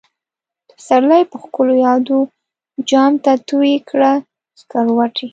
دپسرلی په ښکلو يادو، جام ته تويې کړه سکروټی